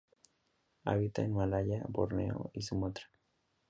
Habita en Malaya, Borneo y Sumatra.